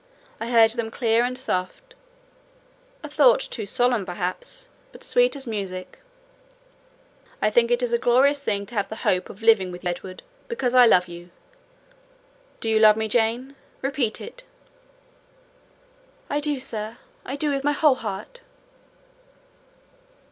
I heard them clear and soft: a thought too solemn perhaps, but sweet as music—'I think it is a glorious thing to have the hope of living with you, Edward, because I love you.' Do you love me, Jane?—repeat it." "I do, sir—I do, with my whole heart."